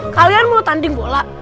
kalian mau tanding bola